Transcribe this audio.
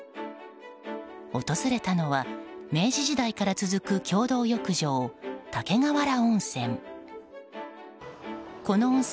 訪れたのは明治時代から続く共同浴場、竹瓦温泉。